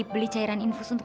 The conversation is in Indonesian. beli cairan infus untuk